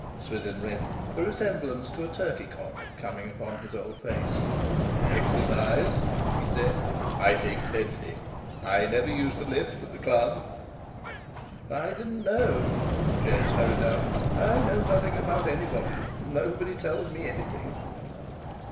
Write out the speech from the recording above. Swithin reddened, a resemblance to a turkey cock coming upon his old face. "Exercise!" he said. "I take plenty: I never use the lift at the Club." "I didn't know," James hurried out. "I know nothing about anybody; nobody tells me anything...."